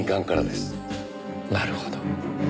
なるほど。